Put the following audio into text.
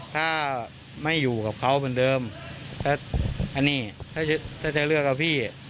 ถ้าไม่อยู่กับเขาเหมือนเดิมแล้วอันนี้ถ้าจะเลือกกับพี่